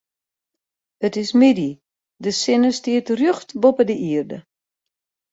It is middei, de sinne stiet rjocht boppe de ierde.